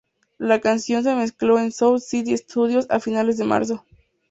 La canción se mezcló en Sound City Studios a finales de marzo.